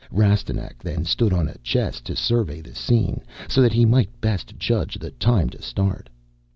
Rastignac then stood on a chest to survey the scene, so that he could best judge the time to start.